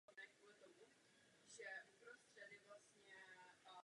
Vliv portugalské koloniální nadvlády se dodnes projevuje ve zvycích obyvatelstva.